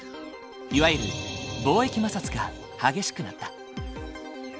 いわゆる貿易摩擦が激しくなった。